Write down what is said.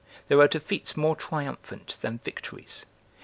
There are defeats more triumphant than victories.